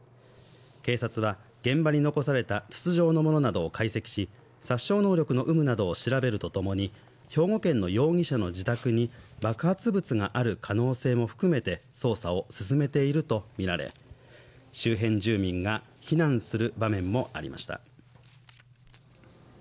警察は現場に残された筒状のものなどを解析し殺傷能力の有無などを調べるとともに兵庫県の容疑者の自宅に爆発物がある可能性も含めて捜査を進めているとみられ、周辺住民が避難する場面もありました。